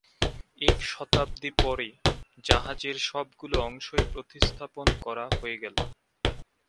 এক শতাব্দী পরে, জাহাজের সবগুলো অংশই প্রতিস্থাপন করা হয়ে গেলো।